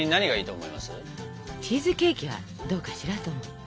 チーズケーキはどうかしらと思って。